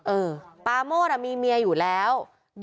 เออปาโมดมีเมียอยู่แล้ว